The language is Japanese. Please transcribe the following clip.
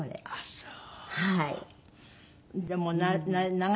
そう！